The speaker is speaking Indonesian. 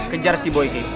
kejar si boy ki